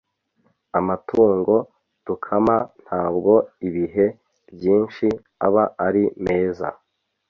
Amatungo dukama ntabwo ibihe byinshi aba ari meza.